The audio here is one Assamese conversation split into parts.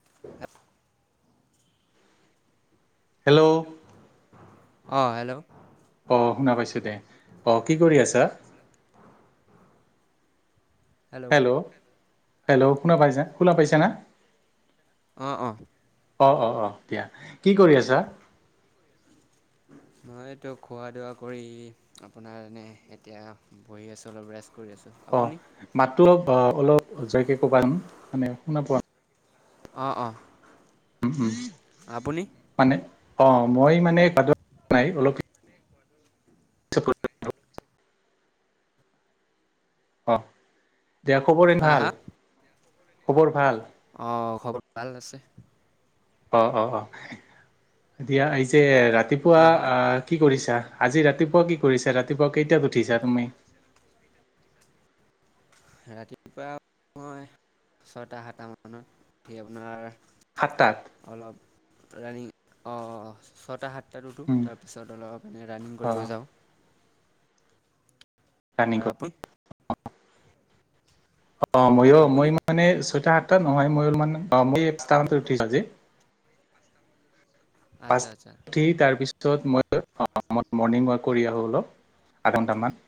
[unintelligible] হেল্লৌ'। অ, হেল্লৌ'। অ, শুনা পাইছো দে, অ, কি কৰি আছা? Hello hello. হেল্লৌ'। শুনা পাইছে, শুনা পাইছেনে? অঁ, অঁ। অ-অ- অ দিয়া, কি কৰি আছা? মইতো খোৱা- দোৱা কৰি আপোনাৰ এনে এতিয়া বহি আছোঁ। অলপ ৰেষ্ট কৰি আছোঁ। অ আপুনি? মাতটো অলপ- অলপ বুজাকে ক'বা, মানে শুনা পোৱা নাই। অঁ, অঁ। উম। আপুনি মানে অ, মই মানে বাজত নাই, অলপ [inaudible] [inaudible] অ' দিয়া খবৰ এন হা হা ভাল, খবৰ ভাল? অ' খবৰ ভাল আছে। অ' অ' দিয়া আজিজে ৰাতিপুৱা হা হা অ 'কি কৰিছা? আজি ৰাতিপুৱা কি কৰিছা ৰাতিপুৱা কেইটাত উঠিছা তুমি। ৰাতিপুৱা মই ছয়টা সাতটা মানত আপোনাৰ সাত তাত। অলপ ৰানিং অ' ছয়টা সাতটা। তাত উঠোঁ উম তাৰ পিছত অলপ এনেই ৰানিং অ কৰিব যাওঁ। ৰানিং [unintelligible] অ' মইয়ো আপুনি মই মানে ছয়টা সাতটা নহয় মই মই স্থানতে উঠিছো আজি। আচ্চা পাঁচটা আচ্চা। উঠি তাৰপিছত মই মই মৰ্ণিং ৱাক কৰি আহোঁ অলপ আধা ঘণ্টামান।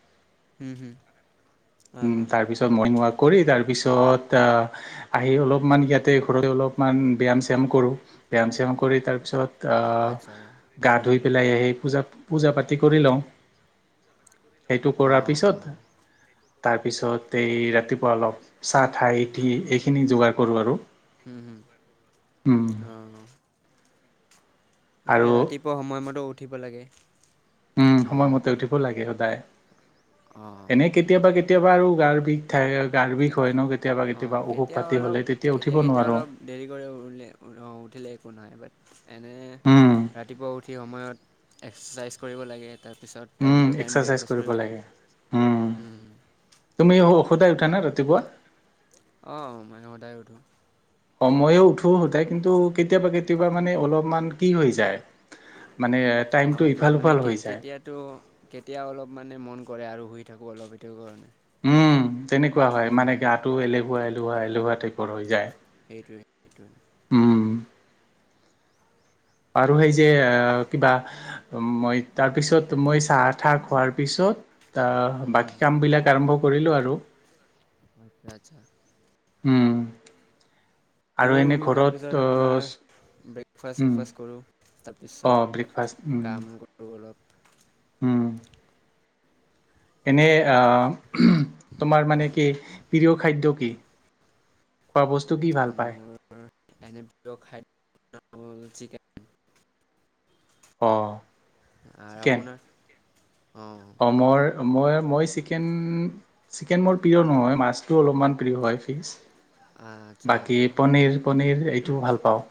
হুম হুম। হা উম হা তাৰ পিছত মৰ্নিং ৱাক কৰি তাৰ পিছত আহ আহি অলপমান ইয়াতে ঘৰতে অলপ। অলপ মান ব্যায়াম চ্যাম কৰোঁ ব্যায়াম শ্যাম কৰি তাৰপিছত আ আচ্ছা ' গা ধুই পেলাই আহি পূজাত। পূজা পাতি কৰি লওঁ সেইটো কৰাৰ অঁ অঁ পিছত। তাৰপিছত এই ৰাতিপুৱা অলপ চাহ ঠাইঠি এইখিনি যোগাৰ কৰোঁ আৰু। হুম হুম। উম। অ' এ আৰু ৰাতিপুৱা সময়মতে উঠিব লাগে। উম সময়মতে উঠিব লাগে সদায়। অ' এনে কেতিয়াবা কেতিয়াবা আৰু গাৰ বিষ থাকে গাৰ বিষ হয় ন' কেতিয়াবা অঁ -কেতিয়াবা অসুখ কেতিয়া পাতি অলপ হ'লে তেতিয়া কেতিয়া উঠিব কেতিয়া নোৱাৰোঁ। অলপ দেৰি কৰে উঠ উঠিলে একো নাই বাট এনে উম ৰাতিপুৱা উঠ। উঠি সময়ত এক্সাৰচাইজ কৰিব লাগে তাৰপিছত। টাইম টু টাইম ব্ৰেকফাষ্ট কৰিব লাগে। উম তুমি সদায় ই উঠা নে ৰাতিপুৱা? অ' মই সদায় উঠো। ময়ো উঠো সদায় কিন্তু কেতিয়াবা কেতিয়াবা মানে অলপমান কি হৈ যায়। মানে টাইমটো ইফাল সিফাল হৈ যায়। তো কেতিয়া অলপ মানে মন কৰে আৰু শুই থাকোঁ অলপ সেইটো কাৰণে। উম তেনেকুৱা হয়, হুম মানে হুম। গাতো এলেহুৱা এলেহুৱা এলেহুৱা টাইপৰ হৈ যায়। সেইটোৱেই সেইটোৱে। উম, আৰু সেই যে কিবা মই তাৰ পিছত মই চাহ-তাহ খোৱাৰ পিছত আ, হুম হুম বাকী কামবিলাক আৰম্ভ কৰিলোঁ আৰু। আচ্ছা-আচ্ছা উম, আৰু ময়ো এনে উঠো ঘৰত পিছত আপোনাৰ উম ব্ৰেকফাষ্ট-চেকফাষ্ট কৰোঁ। অ তাৰপিছত ব্ৰেকফাষ্ট উম কাম কৰোঁ অলপ। উম, এনেই আহ তোমাৰ মানে কি প্ৰিয় খাদ্য কি? খোৱা বস্তু কি ভাল পায়? মোৰ এনে প্ৰিয় খাই, অ', আৰু আপোনাৰ অ', অঁ মোৰ মই মই চিকেন চিকেন মোৰ প্ৰিয় নহয় মাছটো অলপমান, প্ৰিয় হয় ফিচ আচ্ছা বাকী পনীৰ-পনীৰ এইটোও ভাল পাওঁ।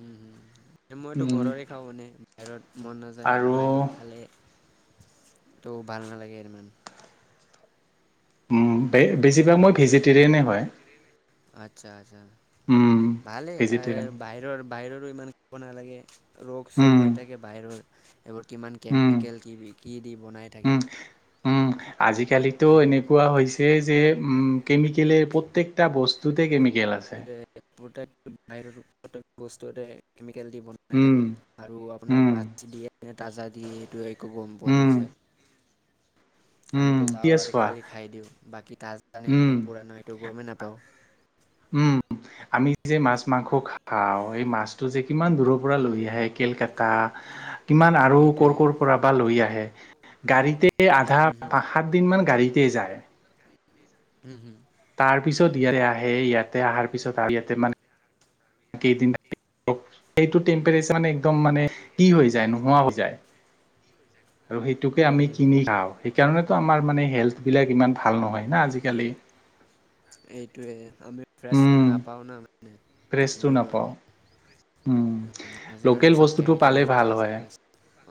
উম, মইতো উম ঘৰৰে খাওঁ মানে বাহিৰত মন নাযায় একো আৰু বাহিৰত খালে, ত' ভাল নালাগে ইমান। উম, বে বেছিভাগ মই ভেজিটেৰিয়ানেই হয়। আচ্ছা-আছা উম ভালে আ ভেজিটেৰিয়ান বাহিৰৰ। বাহিৰৰো ইমান খাব নালাগে ৰোগ-চোগ উম হৈ থাকে বাহিৰৰ। এইবোৰ কিমান উম কেমিকেল কি কি দি বনাই থাকে। উম উম আজিকালিতো এনেকুৱা হৈছে যে উম, কেমিকেলে প্ৰত্যেকটা বস্তুতে কেমিকেল আছে। [unintelligible] বস্তুতে কেমিকেল দি বনাই উম থাকে আৰু আপোনাক উম বা [unintelligible] দিয়ে তাজা দিয়ে সেইটো একো গম পোৱা উম নাযায়। উম টো যাওঁ এতিয়া আৰু চোৱা খালী খাই দিওঁ বাকী তাজানে উম পুৰনা সেইটো গমেই নাপাওঁ। উম, আমি যে মাছ মাংস খাওঁ এই মাছটো যে কিমান দূৰৰ পৰা লৈ আহে। কেলকাতা কিমান আৰু কৰ এইটোৱে ক'ৰ পৰা বা লৈ আহে। গাড়ীতে আধা পাঁ সাত দিন মান গাড়ীতে যায়। উম হুম। তাৰ পিছত ইয়াৰে আহে ইয়াতে আহাৰ পিছত আহ ইয়াতে মানে, [unintelligible] কেইদিন [unintelligible] সেইটো টেম্পচাৰ মানে একদম মানে কি হৈ যায় নোহোৱা হৈ যায়। আৰু সেইটোকে আমি কিনি খাওঁ সেইকাৰণেটো আমাৰ মানে হেল্থ বিলাক ইমান ভাল নহয় না আজিকালি। এইটোৱে আমি ফ্ৰেচটো উম নাপাও না মানে ফ্ৰেছটো এইটো নাপাওঁ কাৰণে। উম আজিকালিটো লোকেল চব বস্তুটো কেমিকেল পালে এ ভাল ওলাইছে হয় মানে।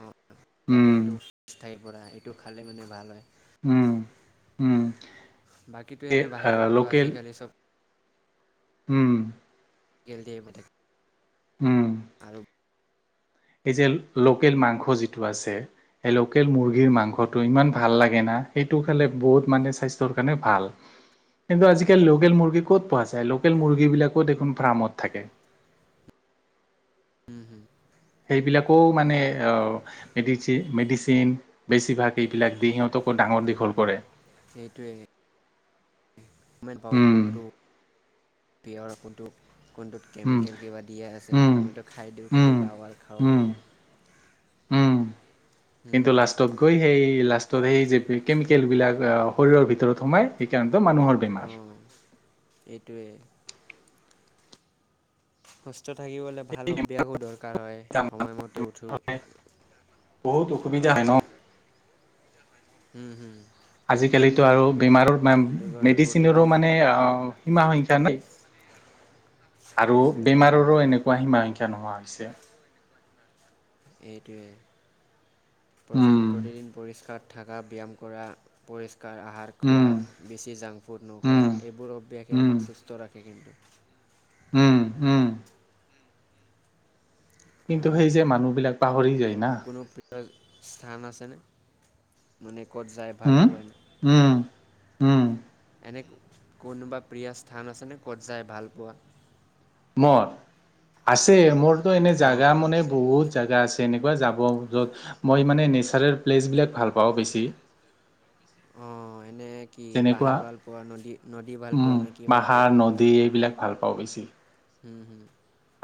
অঁ উম লোকেলটো ঠাইৰ পৰা এইটো খালে মানে ভাল হয়। উম, উম, বাকীতো এনেই আহ বাহিৰততো লোকেল আজিকালি চব, উম, [unintelligible] উম, আৰু এই যে লোকেল মাংস যিটো আছে, এই লোকেল মুৰ্গীৰ মাংসটো ইমান ভাল লাগে না সেইটো খালে বহুত মানে স্বাস্থ্যৰ কাৰণে ভাল। কিন্তু আজিকালি লোকেল মুৰ্গী ক'ত পোৱা যায়? লোকেল মুৰ্গী বিলাকো দেখোন ফাৰ্মত থাকে। উম, সেইবিলাকো মানে অ, মেদিচে মেডিচিন বেছিভাগ এইবিলাক দি সিহঁতকো ডাঙৰ দীঘল কৰে। সেইটোৱে [unintelligible] উম, কোনটোত উম, কেমিকেল কিবা দিয়া আছে উম, আমিতো খাই দিওঁ খালি উম, পাও আৰু খাওঁ। উম, উম কিন্তু উম, লাষ্টত, গৈ সেই লাষ্টত সেই যে কেমিকেলবিলাক শৰীৰৰ ভিতৰত সোমাই সেইকাৰণেতো মানুহৰ, বেমাৰ উম সেইটোৱেই। সুস্থ থাকিবলৈ ভাল অভ্যাসো দৰকাৰ হয় সময়মতে উঠো। বহুত অসুবিধা হয় ন'। হুম-হুম। আজিকালিতো আৰু বেমাৰৰ টান, কাৰণে মেডিচিনৰো প্ৰতিদিন মানে আ সীমা সংখ্যা নাই। [unintelligible] আৰু বেমাৰৰো অঁ এনেকোৱা সীমা সংখ্যা নোহোৱা হৈছে। এইটোৱে। উম। প্ৰতিদিনে পৰিষ্কাৰ থাকা, ব্যায়াম কৰা, পৰিষ্কাৰ আহাৰ- খোৱা উম, বেছি জাংক ফুড নোখোৱা উম, এইবোৰ অভ্যাসে আমাক সুস্থ ৰাখে কিন্তু। উমঁ-উমঁ। কিন্তু আৰু সেই যে মানুহ বিলাক পাহৰি যায় না। কোনো প্ৰিয় স্থান আছে'নে মানে ক'ত যাই ভাল উম, পোৱা এনে? উম, উম, এনে কোনোবা প্ৰিয় স্থান আছেনে ক'ত যায় ভাল পোৱা? মোৰ, আছে মোৰতো এনেই অঁ জাগা অঁ মানে বহুত জাগা আছে। তেনেকুৱা যাব য'ত, মই মানে নেচাৰেল প্লেচবিলাক ভাল পাওঁ বেছি। অঁ', এনেই কি যেনেকুৱা পাহাৰ ভাল পোৱা নদী-নদী ভাল উম, পোৱা নে কি ভাল পাহাৰ, পোৱা, নদী এইবিলাক ভাল পাওঁ বেছি। হুম-হুম,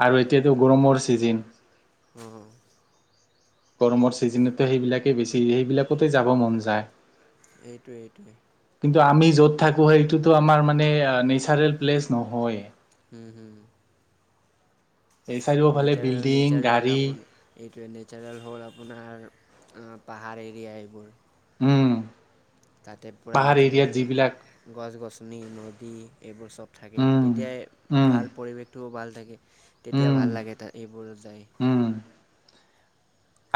আৰু এতিয়াতো গৰমৰ ছিজন অঁ',। গৰমৰ ছিজনতো সেইবিলাকেই বেছি সেইবিলাকতে যাব মন যায়। এইটোৱে-এইটোৱেই। কিন্তু আমি য'ত থাকো সেইটোতো আমাৰ মানে নেচাৰেল প্লেচ নহয়। হুম-হুম। এই চাৰিওফালে বিল্ডিং নেচাৰল-নেচাৰল গাড়ী আপুনি- এইটোৱে, নেচাৰেল হ'ল আপোনাৰ পাহাৰ এৰিয়া এইবোৰ। উমঁ। তাতে পুৰা যিবিলাক নেচাৰেল- গছ-গছনি, নদী, এইবোৰ চব থাকে, উম তেতিয়াই উম ভাল পৰিৱেশটোও ভাল থাকে। তেতিয়া উম ভাল লাগে তা'ত এইবোৰত যাই। উম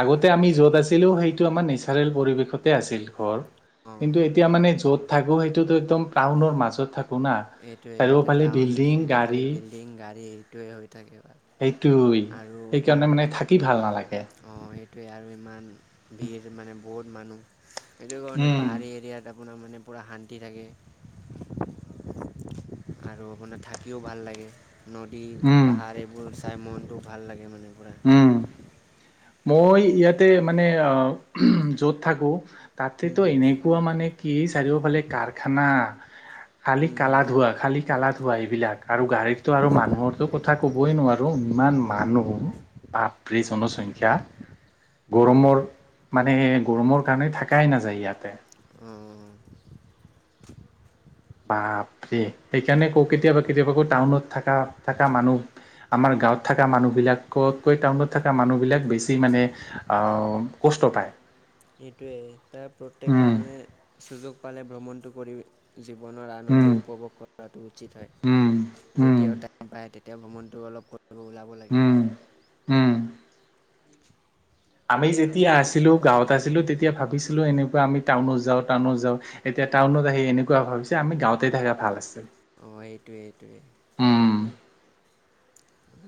আগতে আমি য'ত আছিলো সেইটো আমাৰ নেচাৰেল পৰিৱেশ- তে আছিল ঘৰ, অঁ কিন্তু এতিয়া মানে য'ত থাকো সেইটো একদম প্ৰাউনৰ মাজত থাকো। না এইটোৱে, ইয়াতে চাৰিওফালে টাউন বিল্ডিং ইয়াতে খালি গাড়ী বিল্ডিং গাড়ী এইটোৱে হৈ থাকে বা। সেইটো। আৰু আপোনাৰ, হুম। অঁ' সেইটোৱে, আৰু ইমান ভিৰ মানে বহুত মানুহ সেইটো কাৰণে উম পাহাৰী এৰিয়াত- আপোনাৰ মানে পূৰা শান্তি থাকে। আৰু মানে থাকিও ভাল লাগে, নদী, উম পাহাৰ এইবোৰ চাই মনটো ভাল লাগে মানে পুৰা। উমঁ। মই ইয়াতে মানে আহ য'ত থাকো- হুম তা'তেতো হুম এনেকোৱা মানে কি চাৰিওফালে কাৰখানা। খালী হুম হুম কালা ধুৱা, খালী কালা ধুৱা এইবিলাক, আৰু গাড়ীটো আৰু আচ্ছা মানুহৰটো- কথা ক'বই নোৱাৰো ইমান মানুহ অঁ বাপৰে হুম হুম জনসংখ্যা। গৰমৰ মানে গৰমৰ কাৰণে থাকাই নাযায় ইয়াতে। উমঁ। বাপৰে, সেইকাৰণে কও কেতিয়াবা-কেতিয়াবা আকৌ টাউনত থকা থকা মানুহ- আমাৰ গাঁৱত থকা মানুহবিলাকতকৈ টাউনত থকা মানুহবিলাক বেছি মানে আঁহ', - কষ্ট পাই। এইটোৱে তাৰ প্ৰত্যেক মানুহে চুযোগ পালে ভ্ৰমণটো কৰি জীৱনৰ আনন্দ উম উপভোগ কৰ ৰাটো উচিত হয় উম উম যেতিয়াও টাইম পায় তেতিয়া ভ্ৰমণটো অলপ ক ওলা উম উম আমি যেতিয়া আছিলোঁ গাঁৱত আছিলোঁ তেতিয়া ভাবিছিলোঁ এনেকুৱা আমি টাউনত যাওঁ টাউনত যাওঁ এতিয়া টাউনত আহি এনেকুৱা ভাবিছে আমি গাওঁতে থাকা ভাল আছে অঁ এইটোৱেই এইটোৱেই উম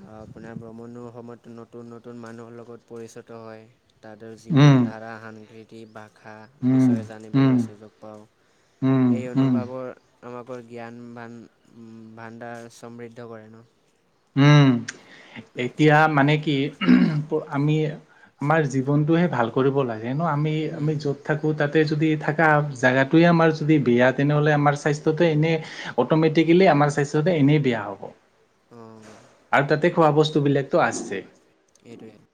আ আপোনাৰ ভ্ৰমণৰ সময়তটো নতুন নতুন মানুহৰ লগত পৰিচিত হয় তাতে জীৱন উম ধাৰা সংস্কৃতি ভাষা উম বিচয়ে উম জানিবলৈ চুযোগ পাওঁ উম এই উম অনুভৱৰ আমাকো জ্ঞান বান উম বাণ্ডাৰ সমৃদ্ধ কৰে ন উম এতিয়া মানে কি প আমি আমাৰ জীৱনটোহে ভাল কৰিব লাগে নহ আমি হুম আমি হুম য'ত থাকোঁ তাতে যদি থকা জেগাটোৱে আমাৰ যদি বেয়া তেনেহ'লে আমাৰ স্বাস্থ্যটো হুম হুম এনেই অটমেটিকেলি আমাৰ স্বাস্থ্যটো এনেই বেয়া হ'ব অঁ আৰু তাতে খোৱা ৱা বস্তু বিলাকতো আছে এইটোৱে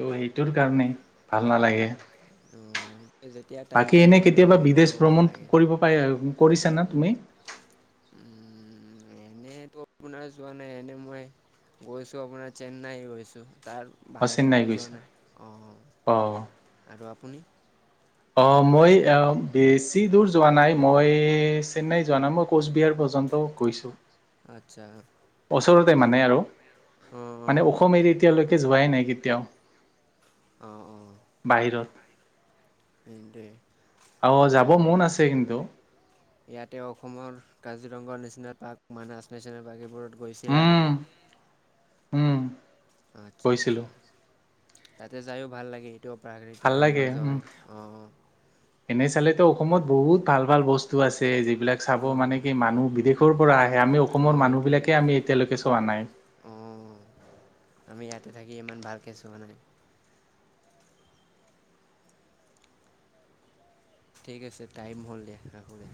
ত' সেইটোৰ কাৰণেই ভাল নালাগে অ', সেই যেতিয়া টাইম বাকী পায় এনে মানে কেতিয়াবা ভ্ৰমণ কৰিব বিদেচ ওলাব ভ্ৰমণ লাগে। কৰিব পাৰে আৰু কৰিছানা তুমি উম এনেতো আপোনাৰ যোৱা নাই এনে মই গৈছো আপোনাৰ চেন্নাই গৈছো তাৰ অ বাহিৰৰে চেন্নাই আৰু যোৱা গৈছা নাই অ অঁ আৰু আপুনি অ মই আ বেছি দূৰ যোৱা নাই মই চেন্নাই যোৱা নাই মই কোচবিহাৰ পৰ্যন্ত গৈছোঁ আচ্ছা ওচৰতে মানে আৰু অ', অ', মানে অসম এৰি এতিয়ালেকে যোৱাই নাই কেতিয়াও অঁ অঁ বাহিৰত তেন্তে অ যাব আৰু মন আছে কিন্তু ইয়াতে অসমৰ Kaziranga national park Manas national park এইবোৰত গৈছিলা উম নেকি উম আচ্ছা আচ্ছা গৈছিলো আচ্ছা তাতে যাইও ভাল লাগে ত প্ৰাকৃতিক ভাল সৌন্দৰ্য্য হয় অ অ এনে চালেতো অসমত বহুত ভাল ভাল বস্তু আছে যি এইবিলাক চাব মানে অ', কি মানুহ বিদেশৰ পৰা আহে আমি অসমৰ অ', মানুহবিলাকে আমি এতিয়ালৈকে চোৱা নাই অঁ আমি ইয়াতে থাকি ইমান ভালকে চোৱা নাই ঠিক আছে টাইম হ'ল দিয়া ৰাখোঁ দে